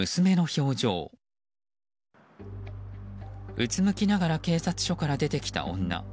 うつむきながら警察署から出てきた女。